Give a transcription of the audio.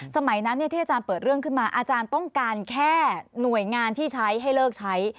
สมัยนั้นที่อาจารย์เปิดเรื่องขึ้นมาอาจารย์ต้องการแค่หน่วยงานที่ใช้ให้เลิกใช้